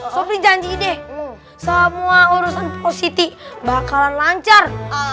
sofi janji deh semua urusan positif bakalan lancar